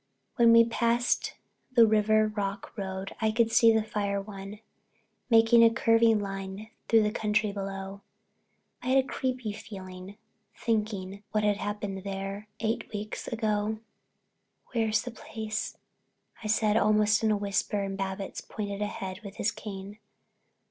When we passed the Riven Rock Road and I could see the Firehill one, making a curving line through the country beyond, I had a creepy feeling, thinking of what had happened there eight weeks ago. "Where's the place?" I said, almost in a whisper, and Babbitts pointed ahead with his cane.